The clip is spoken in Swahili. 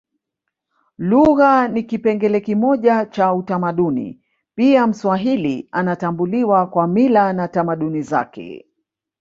Lugha ni kipengele kimoja cha utamaduni pia mswahili anatambuliwa kwa mila na tamaduni zake